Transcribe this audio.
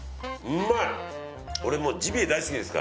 うまい！